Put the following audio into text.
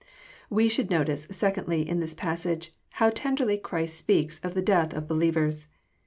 We should notice, secondly, in this passage, Tiow tenderly Christ speaks of the death of believers.